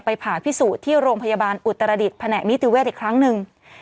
ผ่าพิสูจน์ที่โรงพยาบาลอุตรดิษฐแผนกนิติเวศอีกครั้งหนึ่ง